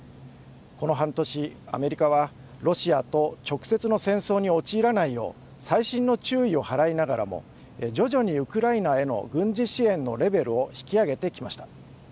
この半年、アメリカはロシアと直接の戦争に陥らないよう細心の注意を払いながらも徐々にウクライナへの軍事支援へのレベルを引き上げてきました。